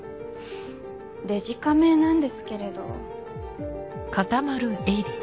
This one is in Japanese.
デジカメなんですけれど。